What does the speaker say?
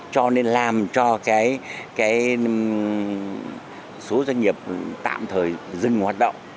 cho nên làm cho cái số doanh nghiệp tạm thời dừng hoạt động